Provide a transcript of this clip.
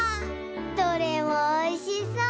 どれもおいしそう！